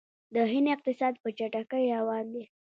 د هند اقتصاد په چټکۍ روان دی.